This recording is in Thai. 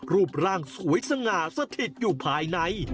รูปร่างสวยสง่าสถิตอยู่ภายใน